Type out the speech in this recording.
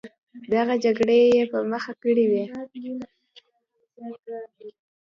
دغه جګړې یې په مخه کړې وې.